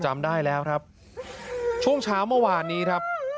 จำได้แล้วครับช่วงเช้าเมื่อวานนี้ครับ